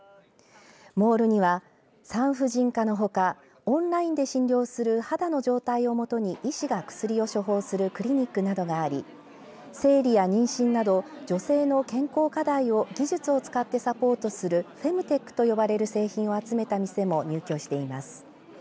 モールには産婦人科のほかオンラインで診療する肌の状態をもとに医師が薬を処方するクリニックなどがあり生理や妊娠など女性の健康課題を技術を使ってサポートするフェムテックと呼ばれる製品を集めた店も入居しています。